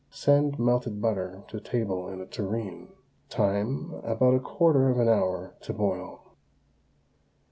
Send melted butter to table in a tureen. Time, about a quarter of an hour to boil.